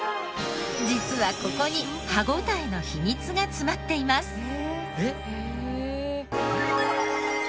実はここに歯応えの秘密が詰まっています。